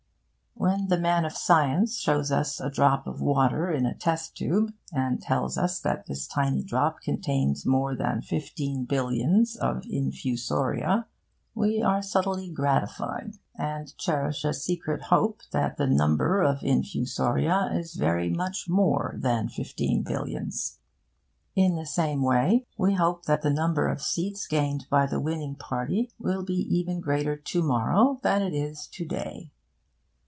When the man of science shows us a drop of water in a test tube, and tells us that this tiny drop contains more than fifteen billions of infusoria, we are subtly gratified, and cherish a secret hope that the number of infusoria is very much more than fifteen billions. In the same way, we hope that the number of seats gained by the winning party will be even greater to morrow than it is to day.